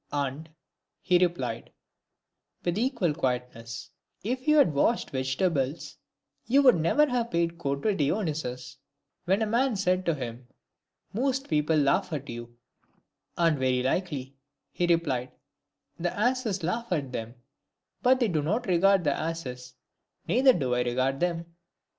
''" And," he replied, with equal quietness, "if you had washed vegetables, you would never have paid court to Dionysius." When a man said to him once, " Most people laugh at you ;"" And very * This Hue occurs, Horn. II. £. 83. DIOGENES. 239 likely," he replied, " the asses laugh at them ; but they do not regard the asses, neither do I regard them."